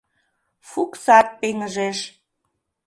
Фуксат пеҥыжеш.